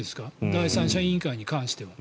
第三者委員会に関しては。